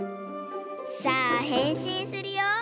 さあへんしんするよ！